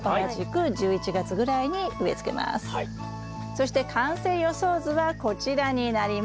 そして完成予想図はこちらになります。